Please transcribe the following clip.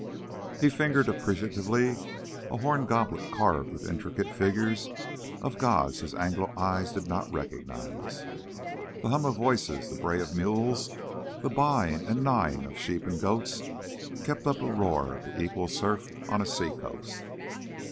He fingered appreciatively a horn goblet carved with intricate figures of gods his Anglo eyes did not recognize. The hum of voices, the bray of mules, the baa ing and naa ing of sheep and goats, kept up a roar to equal surf on a seacoast.